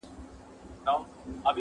دانه دانه سومه له تاره وځم-